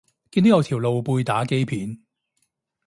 見到有條露背打機片